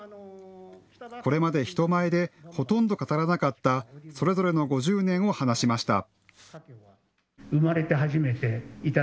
これまで人前でほとんど語らなかったそれぞれの５０年を話しました。